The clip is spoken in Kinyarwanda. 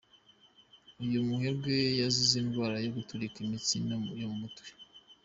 Uyu muherwe yazize indwara yo guturika imitsi yo mu mutwe.